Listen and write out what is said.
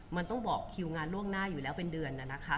มันต้องบอกคิวงานล่วงหน้าอยู่แล้วเป็นเดือนนะคะ